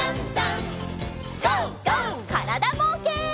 からだぼうけん。